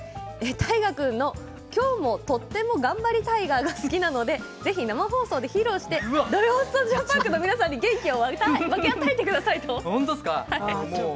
大我君のきょうのとっても頑張りタイガーが好きなのでぜひ生放送で披露して「土曜スタジオパーク」の皆さんに元気を分けてあげてくださいということです。